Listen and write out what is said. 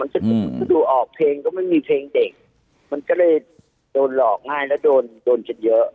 ถ้าดูออกเพลงก็ไม่มีเพลงเด็กมันก็เลยโดนหลอกง่ายแล้วโดนโดนกันเยอะ